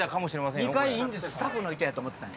スタッフの人やと思うてたん？